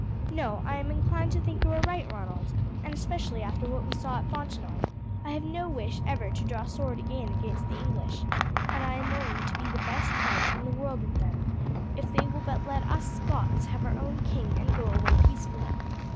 "No, I am inclined to think you are right, Ronald, and especially after what we saw at Fontenoy I have no wish ever to draw sword again against the English, and am willing to be the best friends in the world with them if they will but let us Scots have our own king and go away peacefully.